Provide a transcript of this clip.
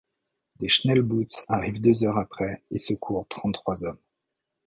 Des Schnellboots arrivent deux heures après et secourent trente-trois hommes.